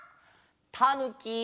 たぬき！